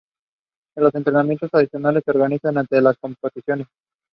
Ryan played one season for the Saints before leaving Sydney.